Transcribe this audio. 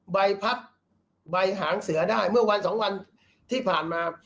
ใบพัดใบหางเสือได้เมื่อวันสองวันที่ผ่านมา